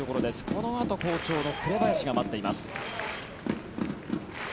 このあと好調の紅林が待っています。